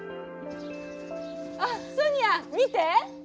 あソニア見て！